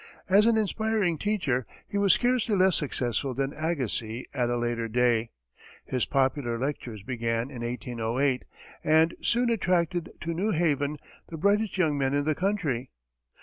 As an inspiring teacher he was scarcely less successful than Agassiz at a later day. His popular lectures began in 1808 and soon attracted to New Haven the brightest young men in the country.